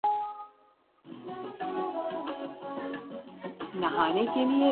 Opposition احتجاج کا حق رکھتی ہے۔